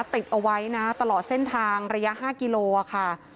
ติดเอาไว้นะตลอดเส้นทางระยะ๕กิโลค่ะ